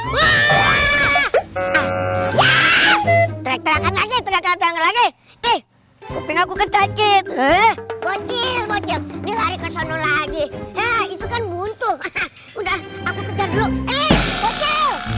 wah terakan lagi terakan lagi ih kuping aku kecacit bocil bocil dia lari ke sana lagi itu kan buntu udah aku kejar dulu eh bocil